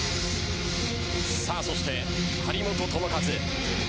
そして、張本智和。